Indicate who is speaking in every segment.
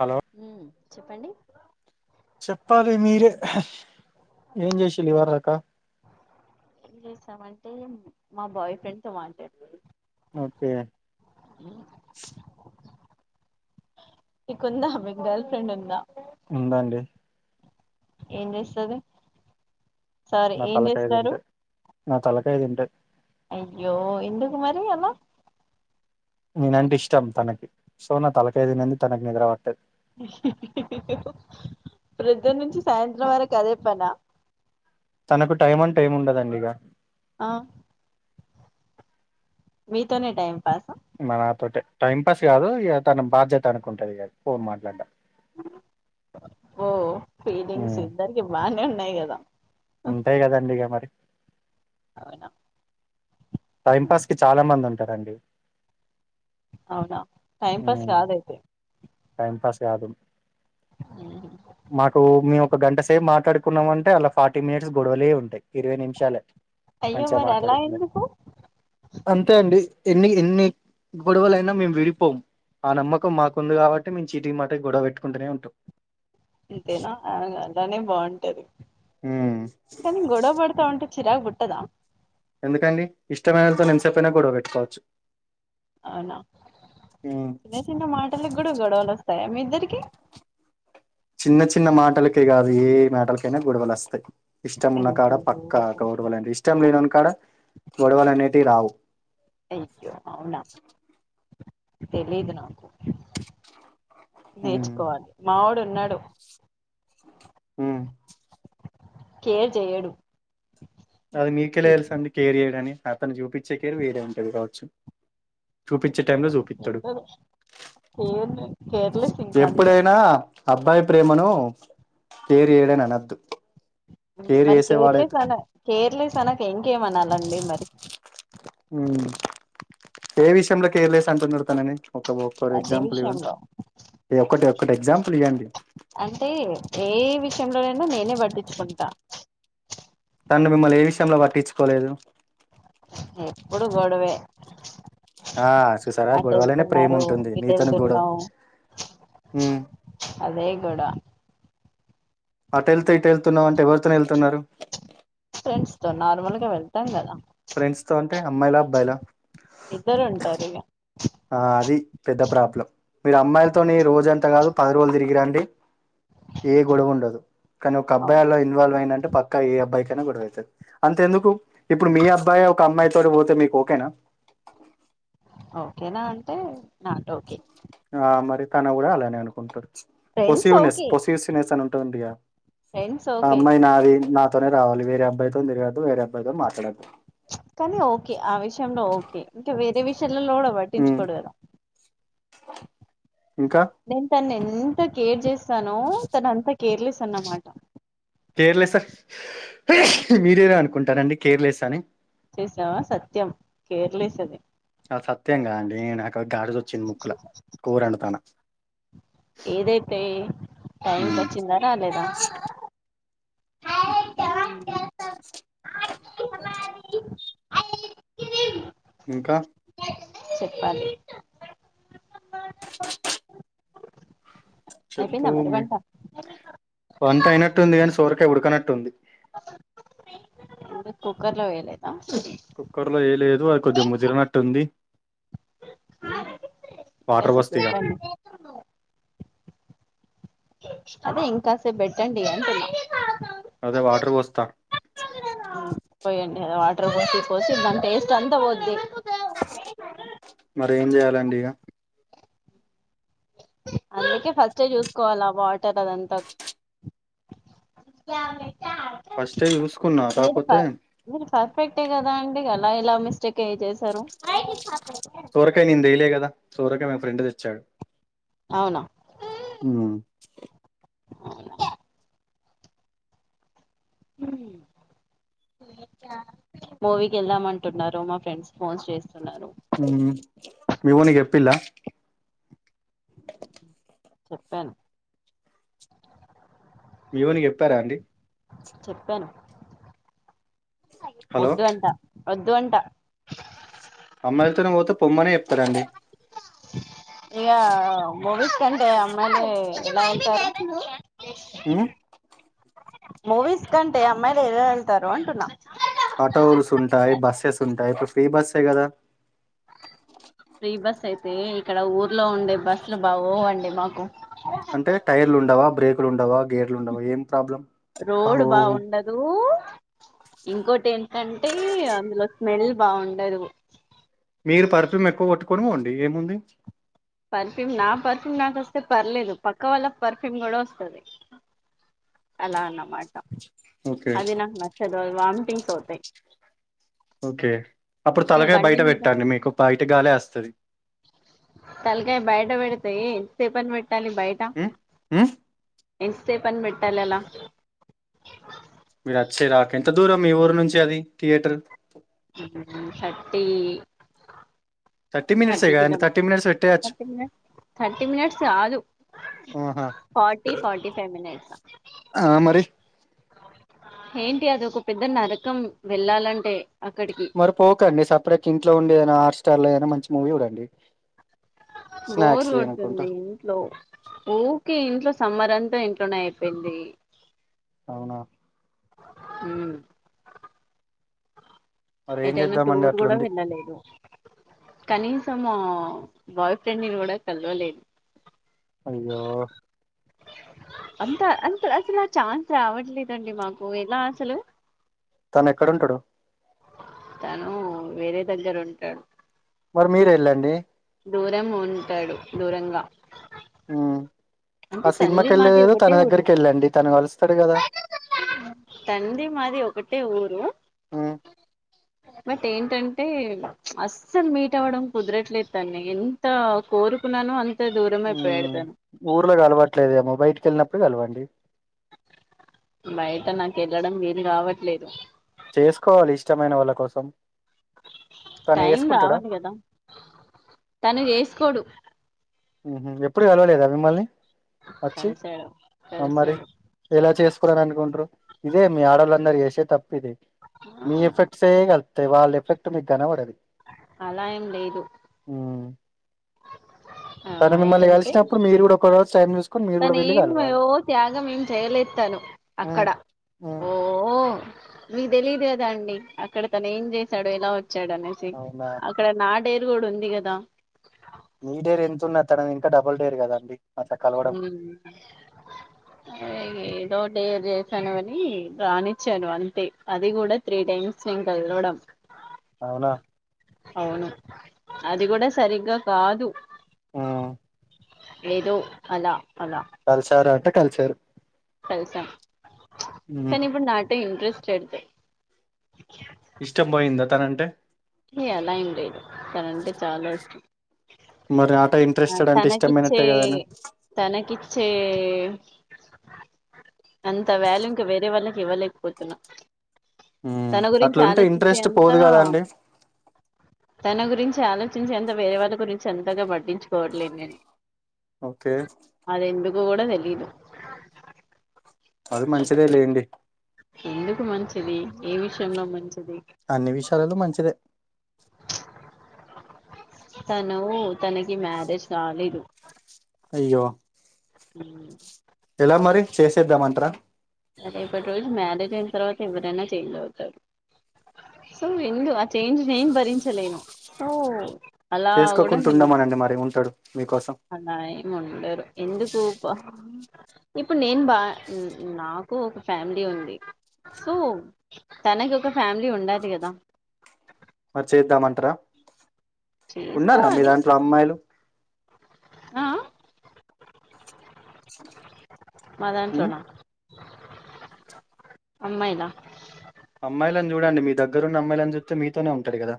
Speaker 1: Hello
Speaker 2: ఉమ్ చెప్పండి
Speaker 1: చెప్పాలి మీరే? ఏం జేషిల్లు ఇవర్దాక?
Speaker 2: ఏం జేసామంటే మా బాయ్ ఫ్రెండ్ తో మాట్లాడ్
Speaker 1: ఓకే
Speaker 2: మీకుందా, మీకు గర్ల్ ఫ్రెండ్ ఉందా?
Speaker 1: ఉందండి
Speaker 2: ఏం జేస్తది సారీ,
Speaker 1: నా
Speaker 2: ఏం
Speaker 1: తలకాయ
Speaker 2: జేస్తరు?
Speaker 1: తింటే నా తలకాయ తింటద్
Speaker 2: అయ్యో, ఎందుకుమరి అలా?
Speaker 1: నేనంటే ఇష్టం తనకి, సో నా తలకై తినంది తనకి నిదర పట్టద్
Speaker 2: ప్రొద్దన్నుంచి సాయంత్రం వరకు అదే పనా?
Speaker 1: తనకు టైం అంటె ఏం ఉండదండిగ
Speaker 2: ఆ మీతోనే టైమ్ పాసా
Speaker 1: మ నాతోటె టైం పాస్ గాదు ఇగ తన బాధ్యత అనుకుంటదిగది ఫోన్ మాట్లాడ్డమ్
Speaker 2: బో ఫీలింగ్స్ ఇద్దరికి బానే ఉన్నాయి గదా
Speaker 1: ఉంటయి గదండిగ మరి
Speaker 2: అవునా
Speaker 1: టైం పాస్ కి చాలా మందుంటరండి
Speaker 2: అవునా, టైమ్ పాస్ గాదైతే
Speaker 1: టైం పాస్ గాదు, మాకు మేము ఒక గంట సేపు మాట్లాడుకున్నమంటే అల్ల ఫార్టీ మినిట్స్ గొడవలే ఉంటయి, ఇరవై నిమిషాలే.
Speaker 2: అయ్యో
Speaker 1: మంచిగ
Speaker 2: మరి అలా
Speaker 1: మాట్లాడుకునేది.
Speaker 2: ఎందుకు
Speaker 1: అంతే అండి ఎన్ని ఎన్ని గొడవలైనా మేము విడిపోము. ఆ నమ్మకం మాకుంది గాబట్టి మేం చీటికి మాటికి గొడవ బెట్టుకుంటనే ఉంటం
Speaker 2: అంతేనా ఆ అలానే బావుంటది కనీ గొడవ బడతావుంటే చిరాకుబుట్టదా?
Speaker 1: ఎందుకండి? ఇష్టమైనోళ్ళతోని ఎంతసేపైనా గొడవ బెట్టుకోవచ్చు.
Speaker 2: అవునా, చిన్న చిన్న మాటలగ్ గూడా గొడవల్ వస్తాయా మీ ఇద్దరి కీ
Speaker 1: చిన్న చిన్న మాటలకే గాదు. ఏ మ్యటలకైనా గొడవలు వస్తయ్. ఇష్టం ఉన్న కాడా
Speaker 2: అయ్యో
Speaker 1: పక్కా గొడవలు అంటే, ఇష్టం లేన్ కాడా గొడవలు అనేది రావు.
Speaker 2: అయో అవునా తెలిదు నాకు
Speaker 1: ఉమ్.
Speaker 2: నేర్చుకోవాలి మావోడు ఉన్నాడు.
Speaker 1: ఉహ్
Speaker 2: కేర్ జేయడు.
Speaker 1: అది నీకేలా ఏలా ఎల్సండీ. కేర్ జేయడనీ అతను చూపించే కేర్ వేరే ఉంటది గావచ్చు. చూపించే టైంలో సూపితాడు.
Speaker 2: కేర్లెస్ ఇంకా అంతే
Speaker 1: ఎప్పుడైనా అబ్బాయి ప్రేమను కేర్ జేయడ్ అనద్దు. కేర్
Speaker 2: మరి కేర్లెస్
Speaker 1: చేసేవాడైతే
Speaker 2: అన్నా. కేర్లెస్ అనకా ఇంకేమనాలండి మరి
Speaker 1: ఉమ్ ఏ విషయంలో కేర్లెస్ అంటున్నారు తనని ఒకవో ఫర్
Speaker 2: ప్రతి
Speaker 1: ఎగ్జాంపుల్ ఇవ్వన్
Speaker 2: విషయంలో
Speaker 1: ఇద్ ఒక్కట్ ఒకటి ఎగ్జాంపుల్ ఇయండి.
Speaker 2: అంటే ఏ విషయంలోనైనా నేనే బట్టించుకుంటా
Speaker 1: తన్ను మిమ్మల్ని ఏ విషయంలో పట్టించుకోలేదు.
Speaker 2: ఎప్పుడు గొడవే
Speaker 1: ఆ చూసారా
Speaker 2: అట్
Speaker 1: గొడవలనే ప్రేమ
Speaker 2: ఏళ్తున్నారు,
Speaker 1: ఉంటుంది
Speaker 2: ఇటు
Speaker 1: నీతోని గొడవ
Speaker 2: వెళ్తున్నావ్.
Speaker 1: ఉమ్
Speaker 2: అదే గోడా
Speaker 1: అట్ ఏళ్తే ఇటు ఏళ్తున్నావ్ అంటే, ఎవరితో ఏళ్తున్నారు.
Speaker 2: ఫ్రెండ్స్తో నార్మల్గా వెళ్తాం గదా.
Speaker 1: ఫ్రెండ్స్ తో అంటే అమ్మాయిలా అబ్బాయిలా.
Speaker 2: ఇద్దరు ఉంటారు ఇగ
Speaker 1: ఆ అది పెద్ద ప్రాబ్లం. మీరు అమ్మాయిలతోని రోజంతా కాదు, పది రోజులు తిరిగి రండి. ఏ గొడవ్ ఉండదు. కానీ ఒక
Speaker 2: అవును
Speaker 1: అబ్బాయి అలా ఇన్వాల్వ్ అయినంటే పక్కా ఏ అబ్బాయికైనా గొడవైతద్. అంతెందుకు ఇప్పుడు మీ అబ్బాయి ఒక అమ్మాయి తోటి బోతే మీకు ఓకేనా.
Speaker 2: ఓకేనా అంటే నాట్ ఓకే.
Speaker 1: తాను గూడా అలానే అనుకుంటాడ్.
Speaker 2: ఫ్రెండ్స్
Speaker 1: పోసివునేస్
Speaker 2: ఓకే
Speaker 1: పోసివ్సేస్ అన్ ఉంటదిగా
Speaker 2: ఫ్రెండ్స్ ఓకే
Speaker 1: అమ్మాయి నాది నా తనే రావాలి. వేర అబ్బాయితోన్ తిరుగోదు, వేర అబ్బయితోన్ మాట్లాడొద్దు.
Speaker 2: కానీ ఓకే, ఆ విషయంలో ఓకే అంటే వేరే విషయాలలో గూడా
Speaker 1: ఉమ్
Speaker 2: వట్టించుకోడ్ గదా
Speaker 1: ఇంకా
Speaker 2: నేన్ తన్ ఎంత కేర్ జేస్తానో, తను అంత కేర్లేస్ అన్నమాట.
Speaker 1: కేర్లెసా మీరేరా అనుకుంటారండి. కేర్లెస్ అని
Speaker 2: చేసావా సత్యం. కేర్లీస్ అది
Speaker 1: అద్ సత్యం గదండి. నాకు గాడిజోచ్చింది. ముక్కులా కూర అండుతానా.
Speaker 2: ఏదైతే ఏ టైంకి
Speaker 1: ఉమ్
Speaker 2: వచ్చిందా రాలేదా. హుహ్
Speaker 1: ఇంకా
Speaker 2: చెప్పాలి
Speaker 1: చెప్పు
Speaker 2: అయిపోందా మరి
Speaker 1: మీ
Speaker 2: వంట.
Speaker 1: వంట అయినట్టుంది గాని సోరకాయ్ ఉడకనట్టు ఉంది.
Speaker 2: పు కుక్కర్లో వేయలేదా.
Speaker 1: కుక్కర్లో ఏయ్యలేదు అది కొద్దిగ్ ముదిరనట్టుంది.
Speaker 2: ఇంకాసేపు ఏయిపోయినవ్ అదే ఇంకాసేపు పెట్టండి. అంటున్నా
Speaker 1: దా వాటర్ ఓస్తా
Speaker 2: పోయండి. అద్ వాటర్ బోసి పోసి దాని టేస్ట్ అంత వోద్ది.
Speaker 1: మరి ఏం జేయాలండి ఇగా
Speaker 2: అందుకే ఫస్ట్ ఏ చూసుకోవాలా వాటర్ అదంతా [unintelligible]
Speaker 1: ఫస్ట్ ఏ చూసుకున్నా
Speaker 2: మీరు ప
Speaker 1: కాకపోతే
Speaker 2: మీరు పర్ఫెక్టే కదా అండి అలా ఎలా మిస్టేక్ అయి చేసారు
Speaker 1: సోరకాయ నేను తెయలే కదా సోరకాయ మా ఫ్రెండ్ తెచ్చాడు
Speaker 2: అవునా
Speaker 1: ఉ
Speaker 2: అవునా హు మూవీకి వెళ్దామంటున్నారు మా ఫ్రెండ్స్ ఫోన్స్ చేసి
Speaker 1: ఉ మీవోనికి చెప్పిల్ల
Speaker 2: చెప్పన్
Speaker 1: మీవోనికి చెప్పారా అండి
Speaker 2: చెప్పాను
Speaker 1: హలో
Speaker 2: వద్దు అంట వద్దు అంట
Speaker 1: అమ్మాయిలతోనే పోతే పొమ్మనే చెప్తారండి
Speaker 2: ఇగ మూవీస్ కంటే అమ్మయిలే ఎలా వెళ్తారు
Speaker 1: ఉ
Speaker 2: మూవీస్ కంటే అమ్మాయిలు ఎలా వెళ్తారు అంటున్నా
Speaker 1: ఆటోస్ ఉంటాయి బస్సెస్ ఉంటాయి ఇప్పుడు ఫ్రీ బస్సే కదా
Speaker 2: ఫ్రీ బస్ అయితే ఇక్కడ ఊర్లో ఉండే బస్సులు బాగోవండి మాకు
Speaker 1: అంటే టైర్లు ఉండవా బ్రేకులు ఉండవా? గేర్లు ఉండవా ఏం ప్రాబ్లం ఓ,
Speaker 2: రోడ్ బాగుండదు ఇంకోటి ఏంటి అంటే అందులో స్మెల్ బాగుండదు
Speaker 1: మీరు పెర్ఫ్యూమ్ ఎక్కువ కొట్టుకోనీ పోండి ఏముంది
Speaker 2: పర్ఫ్యూమ్ నా పర్ఫ్యూమ్ నాకు వస్తే పర్లేదు పక్క వాళ్ళ పర్ఫ్యూమ్ కూడా వస్తది అలా అన్నావ్ మాట
Speaker 1: ఓకే
Speaker 2: అది నాకు నచ్చదు వామిటింగ్ అవుతాయి
Speaker 1: ఓకే అప్పుడు
Speaker 2: ఈ
Speaker 1: తలకయ
Speaker 2: బండి
Speaker 1: బయట
Speaker 2: మీద
Speaker 1: పెట్టండి మీకు బయట గాలే వస్తది
Speaker 2: తలకాయ బయట పెడితే [unintelligible] పెట్టాలి బయట ఎంతసేపు ఆని పెట్టాలి అలా
Speaker 1: మీరు వచ్చే దాక ఎంత దూరం మీ ఊరు నుంచి అది థియేటర్
Speaker 2: ఉ థర్టీ
Speaker 1: మినిట్సే
Speaker 2: థర్టీ
Speaker 1: కదండి థర్టీ మినిట్స్ పెట్టేయచ్చు
Speaker 2: కిలోమీటర్స్ థర్టీ మినిట్స్ కాదు
Speaker 1: ఆహా
Speaker 2: ఫార్టీ ఫార్టీ ఫైవ్ మీనీట్స్
Speaker 1: ఆ, మరి
Speaker 2: ఏంటి అది ఒక పెద్ద నారా
Speaker 1: మరి పోకండి సపరేట్ ఇంట్లో ఉండి ఏనా ఆర్ స్టార్ లో ఏమన్నా మంచి మూవీ చూడండి
Speaker 2: బోరు
Speaker 1: స్నాక్స్ తినుకుంటా
Speaker 2: కొడుతుంది ఇంట్లో ఊకే ఇంట్లో సమ్మర్ అంత ఇంట్లోనే అయిపోయింది
Speaker 1: అవునా
Speaker 2: ఊ
Speaker 1: మరి ఏం
Speaker 2: ఏటైన
Speaker 1: చేద్దామండి
Speaker 2: టూర్ కూడా
Speaker 1: అట్లుంది
Speaker 2: వెళ్ళలేదు కనీసం ఆ బాయ్ ఫ్రెండ్ ని కూడా కలవలేదు
Speaker 1: అయ్యో
Speaker 2: అంత అంత అసలు ఆ ఛాన్స్ రావట్లేదండి మాకు ఎలా అసలు
Speaker 1: తను ఎక్కడుంటాడు
Speaker 2: తను వేరే దగ్గర ఉంటాడు
Speaker 1: మరి మీరు వెళ్ళండి
Speaker 2: దూరం ఉంటాడు దూరంగా
Speaker 1: ఉమ్
Speaker 2: అంటే
Speaker 1: ఆ సినిమాకి
Speaker 2: తండ్రి మాది
Speaker 1: ఎళ్ళేదెదో తన
Speaker 2: ఒకటే ఊరు
Speaker 1: దగ్గరికి ఎళ్ళండి తను కలుస్తాడు కదా
Speaker 2: తంది మాది ఒకటే ఊరు
Speaker 1: మ్
Speaker 2: బట్ ఏంటంటే అస్సలు మీట్ అవ్వడం కుదరట్లేదు తన్ని ఎంత కోరు కున్నానో అం
Speaker 1: ఉమ్ ఊర్లో గలవట్లేదేమో బయటికి వెళ్ళినప్పుడు కలవండి
Speaker 2: బయట నాకు ఎళ్ళడం వీలు కావట్లేదు
Speaker 1: చేసుకోవాలి ఇష్టమైన వాళ్ళ కోసం తను
Speaker 2: టైం
Speaker 1: చేసుకుంటాడా
Speaker 2: రావాలి కదా తను ఎసుకోడు
Speaker 1: మ్ హు ఎప్పుడు కలవలేదా మిమ్మల్ని
Speaker 2: కలిసాడు
Speaker 1: అ మరి
Speaker 2: కలిసాడు
Speaker 1: ఎలా చేసుకోవాలని అనుకుంట్రు ఇదే మీ ఆడళ్ళందరు చేసే తప్పు
Speaker 2: ఆ
Speaker 1: మీ ఎఫెక్ట్స్ ఏ కలుతయ్ వాళ్ళ ఎఫెక్ట్ మీకు గనపడదు
Speaker 2: అలా ఏం లేదు
Speaker 1: ఉమ్
Speaker 2: ఆ
Speaker 1: తను మిమ్మల్ని
Speaker 2: ఏంటంటే
Speaker 1: కలిసినప్పుడు మీరు కూడా ఒకరోజు టైమ్ చూ
Speaker 2: తను ఏం మయో త్యాగం ఏం చేయలే తను అక్కడ
Speaker 1: ఉమ్ ఉమ్
Speaker 2: ఓ... మీ తెలీదు కదా అండి అక్కడ తను ఏం చేశాడో ఏలా వ చ్చాడనేసి
Speaker 1: అవునా
Speaker 2: అక్కడ నా డేర్ గూడా ఉంది కదా
Speaker 1: మీ డేర్ ఎంత ఉన్న తనది ఇంకా డబల్ డేర్ కద అండి
Speaker 2: య్ ఏదో డెర్ చె కనవని రానిచ్చాను అంతే అది కూడా త్రీ టైమ్స్ నేను కలవడం
Speaker 1: అవునా
Speaker 2: అవును అది కూడా సరిగ్గా కాదు
Speaker 1: మ్మ్
Speaker 2: ఏదో అలా అలా
Speaker 1: కలిసార అంటే కలిసారు
Speaker 2: కలిసాం
Speaker 1: ఉమ్
Speaker 2: కానీ ఇప్పుడు నాట్ ఎ ఇంట్రెస్ట్ ఎడితే
Speaker 1: ఇష్టం పోయింద తనంటే
Speaker 2: ఏ అలా ఏం లేదు తనంటే చాలా ఇష్టం
Speaker 1: మరి ఆట ఇంట్రెస్టెడ్ అంటే
Speaker 2: తనకి
Speaker 1: ఇష్టం
Speaker 2: ఇచ్చే
Speaker 1: పోయినట్టే కదండి
Speaker 2: తనకి ఇచ్చే అంత వాల్యూ ఇంకా వేరే వాళ్ళకి ఇవ్వలేకపోతున్నా
Speaker 1: ఉమ్
Speaker 2: తన గురించి
Speaker 1: అట్లుంటే
Speaker 2: ఆలోచించే
Speaker 1: ఇంట్రెస్ట్
Speaker 2: అంత
Speaker 1: పోదు కదండి
Speaker 2: తన గురించి ఆలోచించే అంత వేరే వాళ్ళ గురించి అంతగా పట్టించుకోవట్లేదు నేను
Speaker 1: ఓకే
Speaker 2: గూడ తెలిదు
Speaker 1: అది మంచిదే లెండి
Speaker 2: ఎందుకు మంచిది ఏ విషయంలో మం
Speaker 1: అన్ని విషయాలలో మంచిదే
Speaker 2: తను తనకి మ్యారేజ్ కాలేదు
Speaker 1: అయ్యో
Speaker 2: మ్
Speaker 1: ఎలా మరి చేసేద్దామంట్ర
Speaker 2: రేపటి రోజు మ్యారేజ్ అయిన తర్వాత ఎవరైనా చేంజ్ అవుతారు సో ఎందు ఆ చేంజ్ నేను భరించలేను సో అలా గూడా
Speaker 1: చేసుకోకుండా
Speaker 2: నేను
Speaker 1: ఉండమనండి మరి ఉంటాడు మీకోసం
Speaker 2: అలా ఏం ఉండరు ఎందుకు బా ఇప్పుడు నేను బా నాకు ఒక ఫ్యామిలీ ఉంది సో తనకి ఒక ఫ్యామిలీ ఉండాలీ కదా
Speaker 1: మరి చేద్దామంట్ర ఉన్నారా మీ
Speaker 2: చేసుకోవాలి
Speaker 1: దాంట్లో అమ్మాయిలు
Speaker 2: ఆ ఆ మా దాంట్లో
Speaker 1: ఉమ్
Speaker 2: న అమ్మాయిలా
Speaker 1: అమ్మాయిలని చూడండి మీ దగ్గరున్న అమ్మాయిలని జూస్తే మీతోనే ఉంటారు గదా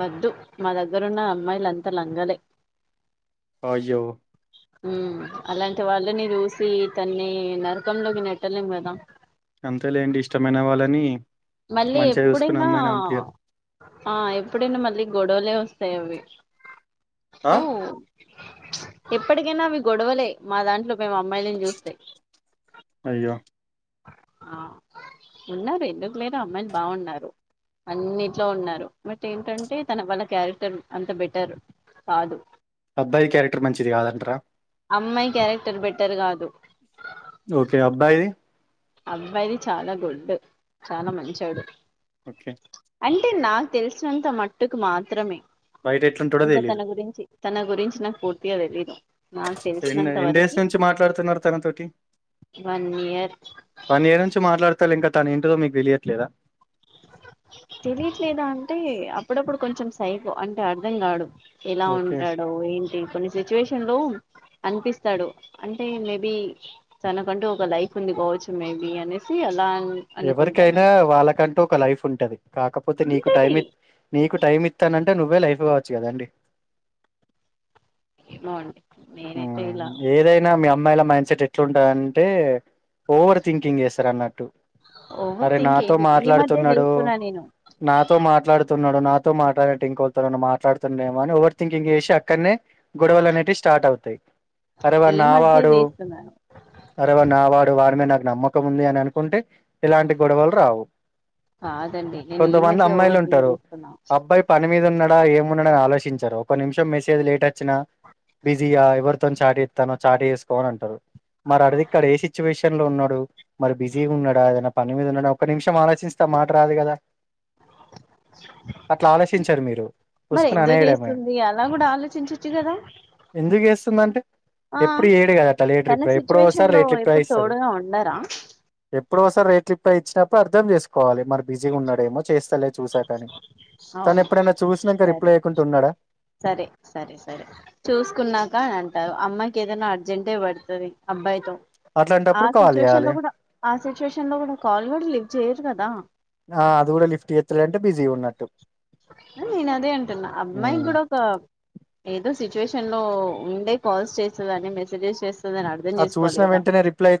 Speaker 2: వద్దు మా దగ్గరున్న అమ్మాయిలు అంతా లంగలే
Speaker 1: అయ్యో
Speaker 2: ఉమ్ అలాంటి వాళ్ళని చూసి తన్ని నరకంలోకి నెట్టలేం గదా
Speaker 1: అంతేలేండి ఇష్టమైన వాళ్ళని
Speaker 2: మళ్ళీ
Speaker 1: మంచిగా చూసుకున్న
Speaker 2: ఎప్పుడైనా
Speaker 1: అమ్మాయిని పంపియ్యరు
Speaker 2: ఆ ఎప్పుడైనా మళ్ళీ గొడవలే వస్తాయి అవి
Speaker 1: ఆ
Speaker 2: సో ఎప్పటికైనా అవి గొడవలే మా దాంట్లో మేము అమ్మాయిలను జూస్తే
Speaker 1: అయ్యో
Speaker 2: ఆ ఉన్నారు ఎందుకు లేరు అమ్మాయిలు బాగున్నారు. అన్నిట్లో ఉన్నారు బట్ ఏంటంటే తన వాళ్ళ క్యారెక్టర్ అంత బెటర్ కాదు
Speaker 1: అబ్బాయి క్యారెక్టర్ మంచిది గాదంటార
Speaker 2: అమ్మాయి క్యారెక్టర్ బెటర్ గాదు
Speaker 1: ఓకే అబ్బాయిది
Speaker 2: అబ్బాయిది చాలా గుడ్ చాలా మంచోడు
Speaker 1: ఓకే
Speaker 2: అంటే నాకు తెలిసినంత మట్టుకు మాత్రమే
Speaker 1: బైట
Speaker 2: ఇంకా తన గురించి తన గురించి నాకు పూర్తిగా తెలీదు నాకు
Speaker 1: ఎన్ని
Speaker 2: తెలిసినంత
Speaker 1: ఎన్ని
Speaker 2: వరకి
Speaker 1: [unintelligible]
Speaker 2: వన్ ఇయర్
Speaker 1: వన్ ఇయర్ నుంచి మాట్లాడతారు ఇంకా తను ఏంటో మీకు తెలియట్లేదా
Speaker 2: తెలియట్లేదా అంటే అప్పుడప్పుడు కొంచెం సైకో అంటే అర్ధం కాడు ఎలా
Speaker 1: ఓకే
Speaker 2: ఉంటాడో ఏంటి కొన్ని సిచ్యువేషన్లు అనిపిస్తాడు అంటే మేబీ తనకంటూ ఒక లైఫ్ ఉంది కావచ్చు మేబీ అనేసి అలా అనుకుంటాను
Speaker 1: ఎవరికైనా వాళ్ళకంటూ ఒక లైఫ్ ఉంటది కాకపోతే నీకు
Speaker 2: ఉంటది
Speaker 1: టైం నీకు టైం ఇత్తానం అంటే నువ్వే లైఫ్ ఇవచ్చు కదాండి
Speaker 2: ఏమో అండి నేనైతే ఇలా
Speaker 1: ఏదైనా మీ అమ్మాయిల మైండ్ సెట్ ఎట్లుంటదంటే ఓవర్ థింకింగ్ చేస్తారు అన్నట్టు
Speaker 2: ఓవర్
Speaker 1: అరే
Speaker 2: థింక్
Speaker 1: నాతో
Speaker 2: ఏంటి ఈ మధ్య
Speaker 1: మాట్లాడుతున్నాడు
Speaker 2: చేస్తున్నా నేను
Speaker 1: నాతో మాట్లాడుతున్నాడు నాతో మాట్లాటు ఇంకోలా తో మాట్లాడుతూండటం అని ఓవర్ థికింగ్ చేసి అక్కనే గొడవలు అనేటివి స్టార్ట్ అవుతాయి అరవ
Speaker 2: ఈ మధ్య
Speaker 1: నావాడు
Speaker 2: చేస్తున్నాను
Speaker 1: అరవ నావాడు వారి మీద నాకు నమ్మకం ఉంది అని అనుకుంటే ఇలాంటి గొడవలు రావు
Speaker 2: కాదండి నేను ఈ
Speaker 1: కొంతమంది
Speaker 2: మధ్య
Speaker 1: అమ్మాయిలు
Speaker 2: ఓవర్ థింక్ చేస్తున్నా
Speaker 1: ఏముండని ఆలోచించరు ఒక నిమిషం మెసేజ్ లేట్ వచ్చినా బిజీయా ఎవరితో చాటు జేస్తున్నవ్ చాటు చేసుకో అని అంటారు మరి అడిది ఇక్కడ ఏ సిచ్యువేషన్ లో ఉన్నాడు మరి బిజీగా ఉండా ఏదైనా పని మీద ఉన్నడా ఒక నిమిషం ఆలో చిస్తే మాట రాదు గదా అట్లా ఆలోచించరు మీరు
Speaker 2: మరి
Speaker 1: పుసుక్కున
Speaker 2: ఎందుకు
Speaker 1: అనేయడమే
Speaker 2: చేస్తుంది అలా కూడా ఆలోచించచ్చు కదా
Speaker 1: ఎందుకు జేస్తుంది అంటే
Speaker 2: ఆ
Speaker 1: ఎప్పుడు జేయడు గదా లేట్
Speaker 2: తన
Speaker 1: రిప్లై ఎప్పుడో ఒకసారి
Speaker 2: సిచ్యువేషన్ లో
Speaker 1: లేట్ రిప్లై
Speaker 2: ఎప్పుడు
Speaker 1: ఇస్తడు
Speaker 2: తోడుగా ఉండరా
Speaker 1: ఎప్పుడో ఒకసారి లేట్ రిప్లై ఇచ్చినప్పుడు అర్థం జేసుకోవాలి. మరి బిజీగా ఉన్నాడేమో చేస్తలే చూసాకా అనీ తను
Speaker 2: అవును
Speaker 1: ఎప్పుడైనా చూసినంక
Speaker 2: సరే
Speaker 1: రిప్లై ఇయ్యకుంట ఉన్నాడా
Speaker 2: సరే సరే సరే చూసుకున్నాక అని అంటారు అమ్మాయికి ఏదైనా అర్జెంటే పడతది అబ్బాయితో ఆ
Speaker 1: అట్లాంటప్పుడు కాల్
Speaker 2: సిచ్యువేషన్
Speaker 1: చేయాలి
Speaker 2: లో కూడా ఆ సిచ్యువేషన్ లో గూడా కాల్ గూడా లిప్ట్ చేయరు గదా
Speaker 1: ఆ అది కూడా లిఫ్ట్ జేత్తలేడంటే బిజీ గున్నట్టు
Speaker 2: నేను అదే అంటున్నా అమ్మాయి
Speaker 1: హ్మ్.
Speaker 2: గూడా ఒక ఏదో సిచ్యువేషన్ లో ఉండే కాల్స్ చేస్తుందని మెసేజెస్ చేస్తుందని అర్థం
Speaker 1: అది
Speaker 2: చేసుకోవాలి
Speaker 1: చూసిన
Speaker 2: కదా
Speaker 1: వెంటనే రిప్లై